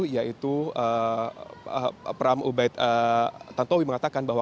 yaitu pram ubaid tantowi mengatakan bahwa